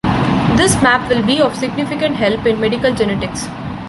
This map will be of significant help in medical genetics.